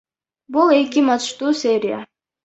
Бул эки матчтуу серия.